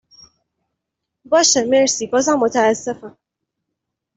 باشه مرسی بازم متاسفم